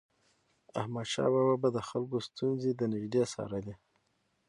احمدشاه بابا به د خلکو ستونزې د نژدي څارلي.